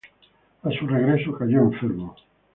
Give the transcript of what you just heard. A su regreso, cayó enfermo.